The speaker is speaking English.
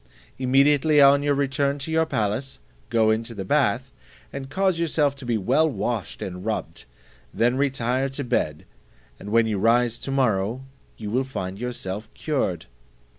Immediately on your return to your palace, go into the bath, and cause yourself to be well washed and rubbed; then retire to bed, and when you rise to morrow you will find yourself cured."